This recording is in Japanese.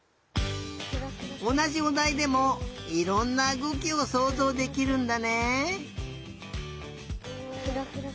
おなじおだいでもいろんなうごきをそうぞうできるんだね。